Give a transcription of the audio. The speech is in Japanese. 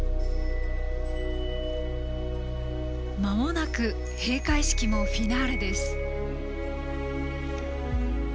まもなく閉会式もフィナーレです。